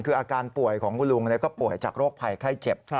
คืออาการป่วยของคุณลุงก็ป่วยจากโรคภัยไข้เจ็บ